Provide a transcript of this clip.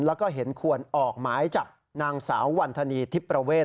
แล้วก็เห็นควรออกหมายจับนางสาววันธนีทิพย์ประเวท